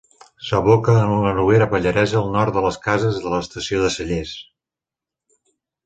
S'aboca en la Noguera Pallaresa al nord de les Cases de l'Estació de Cellers.